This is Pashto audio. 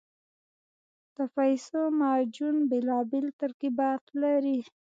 د پیسو معجون بېلابېل ترکیبات لري.